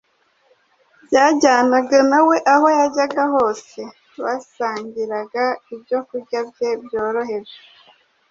Bajyanaga nawe aho yajyaga hose. Basangiraga ibyokurya bye byoroheje,